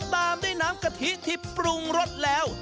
ตามด้วยน้ำกะทิที่ปรุงรสแล้ว